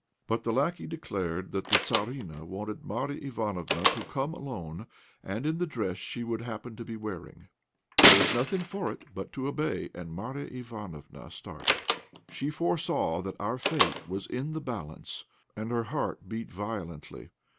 But the lackey declared that the Tzarina wanted Marya Ivánofna to come alone, and in the dress she should happen to be wearing. There was nothing for it but to obey, and Marya Ivánofna started. She foresaw that our fate was in the balance, and her heart beat violently.